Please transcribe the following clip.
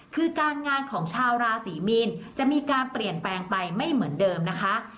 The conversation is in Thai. คือการงานของชาวราศรีมีนจะมีการเปลี่ยนแปลงไปไม่เหมือนเดิมนะคะ